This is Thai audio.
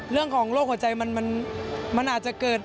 เรื่องของโรคหัวใจมันอาจจะเกิด